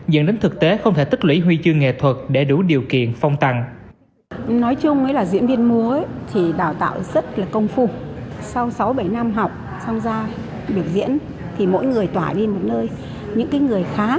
dẫn đến thực tế không thể tích lũy huy chương nghệ thuật để đủ điều kiện phong tặng